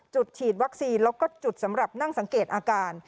ฉีดวัคซีนแล้วก็จุดสำหรับนั่งสังเกตอาการ